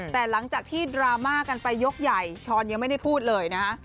แต่หลังจากที่ดราม่ากันไปยกใหญ่ช้อนยังไม่ได้พูดเลยนะฮะ